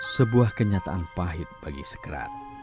sebuah kenyataan pahit bagi sekerat